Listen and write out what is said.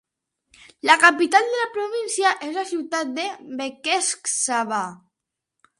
La capital de la província és la ciutat de Békéscsaba.